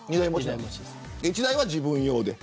１台は自分用で。